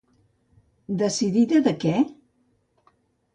Decidida de què?